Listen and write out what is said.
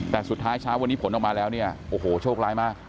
แต่สุดท้ายเช้าวันนี้ผลออกมาแล้วเนี่ยโอ้โหโชคร้ายมาก